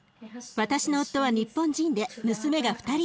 私の夫は日本人で娘が２人います。